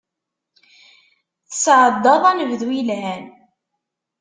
Tesεeddaḍ anebdu yelhan?